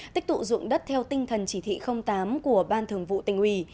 tích tụ dụng đất theo tinh thần chỉ thị tám của ban thường vụ tình huy